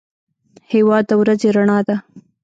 هېواد د ورځې رڼا ده.